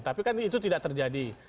tapi kan itu tidak terjadi